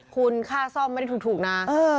คุณค่าซ่อมไม่ได้ถูกนะ